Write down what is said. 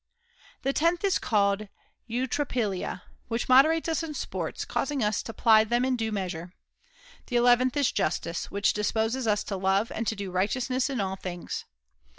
The tenth is called eutrapelia, which moderates us in sports, causing us to ply them in due measure. The eleventh is justice, which disposes us to love and to do righteousness in all things.